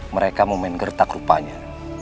mereka mau main gertak rupanya